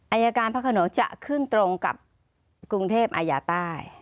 อายการพระขนงจะขึ้นตรงกับกรุงเทพอาญาใต้